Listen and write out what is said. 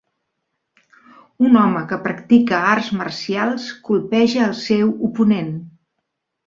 Un home que practica arts marcials colpeja el seu oponent